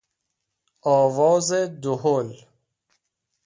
آواز دهل